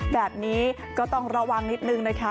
แบบนี้ก็ต้องระวังนิดนึงนะคะ